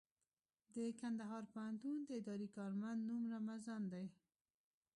د کندهار پوهنتون د اداري کارمند نوم رمضان دئ.